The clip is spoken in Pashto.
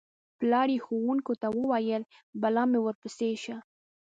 پلار یې ښوونکو ته وویل: بلا مې ورپسې شه.